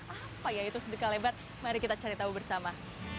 apa yaitu sedekah lebar mari kita cari tahu bersama